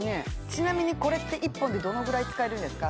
ちなみにこれって１本でどのぐらい使えるんですか？